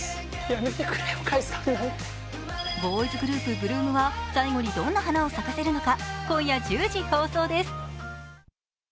ボーイズグループ、８ＬＯＯＭは最後にどんな花を咲かせるのか。